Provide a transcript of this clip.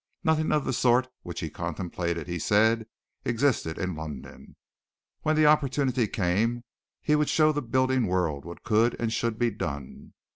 Nothing of the sort which he contemplated, he said, existed in London when the opportunity came he would show the building world what could and should be done.